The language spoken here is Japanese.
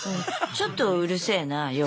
ちょっとうるせえな夜。